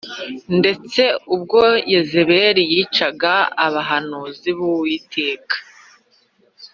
ndetse ubwo Yezebeli yicaga abahanuzi b’Uwiteka